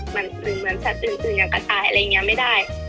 เหมือนสัตว์อื่นอย่างกระต่ายอะไรอย่างนี้ไม่ได้